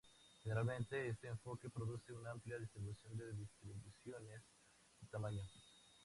Generalmente, este enfoque produce una amplia distribución de distribuciones de tamaño.